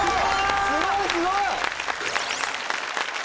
すごいすごい！